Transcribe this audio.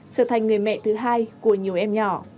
trở thành người mẹ thứ hai của nhiều em nhỏ